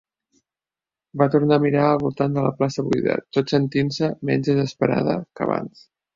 Va tornar a mirar al voltant de la plaça buida, tot sentint-se menys desesperada que abans.